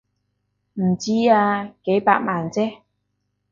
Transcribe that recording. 唔知啊，幾百萬啫